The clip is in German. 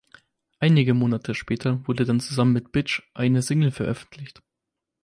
Einige Monate später wurde dann zusammen mit Bitch eine Single veröffentlicht.